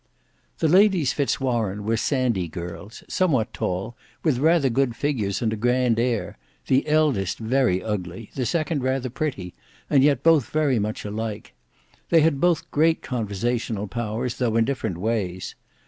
The ladies Fitz Warene were sandy girls, somewhat tall, with rather good figures and a grand air; the eldest very ugly, the second rather pretty; and yet both very much alike. They had both great conversational powers, though in different ways.